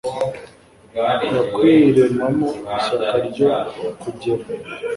yakwiremamo ishyaka ryo kugera